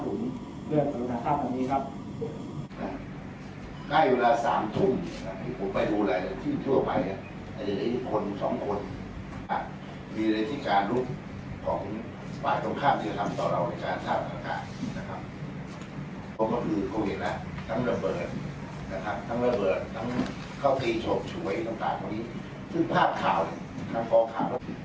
ซึ่งภาพข่าวทั้งของข่าวน้วยใกล้ที่สุดที่จิตเป็นเหตุความขึ้นอ่ะ